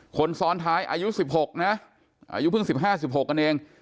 คนซ้อนท้ายอายุสิบหกนะอายุเพิ่งสิบห้าสิบหกกันเอง